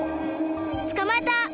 つかまえた！